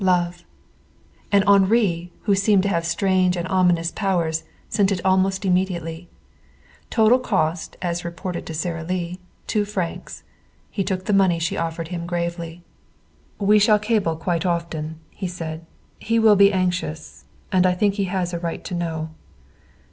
Love." And Henri, who seemed to have strange and ominous powers, sent it almost immediately. Total cost, as reported to Sara Lee, two francs. He took the money she offered him gravely. "We shall cable quite often," he said. "He will be anxious. And I think he has a right to know."